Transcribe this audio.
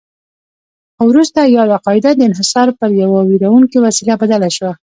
خو وروسته یاده قاعده د انحصار پر یوه ویروونکې وسیله بدله شوه.